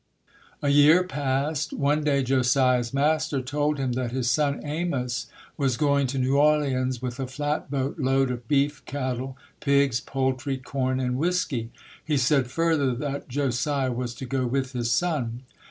A year passed. One day Josiah's master told him that his son Amos was going to New Orleans with a flat boat load of beef cattle, pigs, poultry, corn and whiskey. He said further that Josiah was to go with his son.